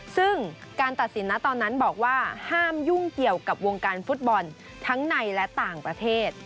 ซึ่งการตัดสินนะตอนนั้นบอกว่าห้ามยุ่งเกี่ยวกับวงการฟุตบอลทั้งในและต่างประเทศ